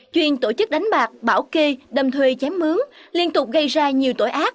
chuyên tổ chức đánh bạc bảo kê đầm thuê chém mướn liên tục gây ra nhiều tội ác